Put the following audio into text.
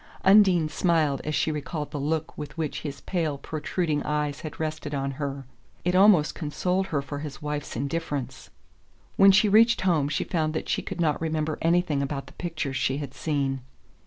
Undine smiled as she recalled the look with which his pale protruding eyes had rested on her it almost consoled her for his wife's indifference! When she reached home she found that she could not remember anything about the pictures she had seen...